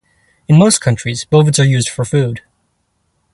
In most countries, bovids are used for food.